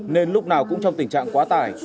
nên lúc nào cũng trong tình trạng quá tải